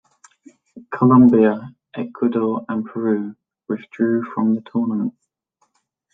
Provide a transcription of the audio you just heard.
Colombia, Ecuador, and Peru withdrew from the tournament.